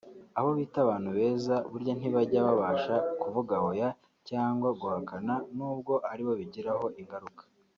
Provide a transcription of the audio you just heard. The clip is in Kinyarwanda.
Abo bita abantu beza burya ntibajya babasha kuvuga hoya cyangwa guhakana nubwo ari bo bigiraho ingaruka